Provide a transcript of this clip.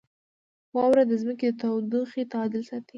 • واوره د ځمکې د تودوخې تعادل ساتي.